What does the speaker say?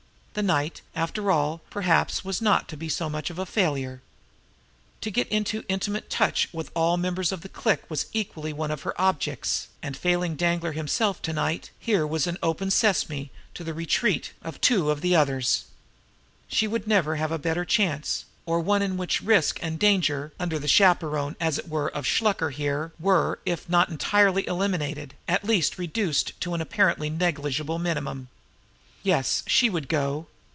The night, after all, perhaps, was not to be so much of a failure! To get into intimate touch with all the members of the clique was equally one of her objects, and, failing Danglar himself to night, here was an "open sesame" to the re treat of two of the others. She would never have a better chance, or one in which risk and danger, under the chaperonage, as it were, of Shluker here, were, if not entirely eliminated, at least reduced to an apparently negligible minimum. Yes; she would go.